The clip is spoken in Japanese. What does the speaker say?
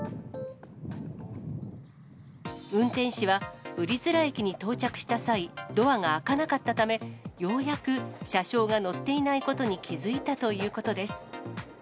運転士は瓜連駅に到着した際、ドアが開かなかったため、ようやく車掌が乗っていないことに気付いたということです。